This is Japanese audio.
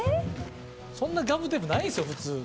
そんなガムテープないんですよ、普通。